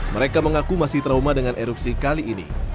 mereka mengaku masih trauma dengan erupsi kali ini